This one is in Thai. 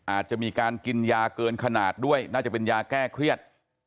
อาจจะมีการกินยาเกินขนาดด้วยน่าจะเป็นยาแก้เครียด